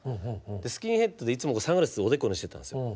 スキンヘッドでいつもサングラスおでこにしてたんですよ。